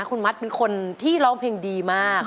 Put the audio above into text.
คุณมัดเป็นคนที่ร้องเพลงดีมาก